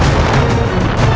cepat buka capingmu